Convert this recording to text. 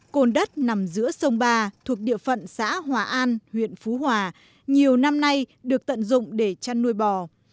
cồn đất nằm giữa sông ba thuộc địa phận xã hòa an huyện phú hòa nhiều năm nay được tận dụng để chăn nuôi bò